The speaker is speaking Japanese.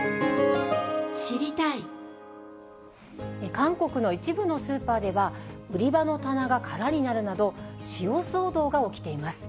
韓国の一部のスーパーでは、売り場の棚が空になるなど、塩騒動が起きています。